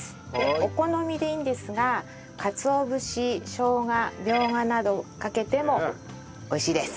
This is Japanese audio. お好みでいいんですがかつお節しょうがミョウガなどをかけても美味しいです。